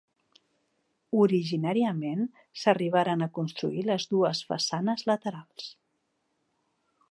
Originàriament s'arribaren a construir les dues façanes laterals.